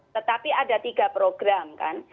tetapi ada tiga program kan